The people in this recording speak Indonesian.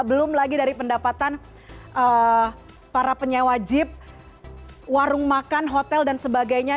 belum lagi dari pendapatan para penyewa jeep warung makan hotel dan sebagainya